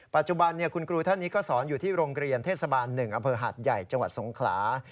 ปัจจุบันคุณครูท่านนี้ก็สอนอยู่ที่โรงเรียนเทศบาล๑อำเภอหาดใหญ่จังหวัดสงขลา